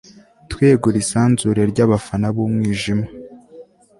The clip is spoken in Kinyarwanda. twiyeguriye isanzure ry'abafana b'umwijima